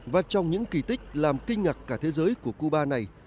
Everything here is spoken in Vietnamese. và trong những kỳ tích làm kinh ngạc cả thế giới của cuba này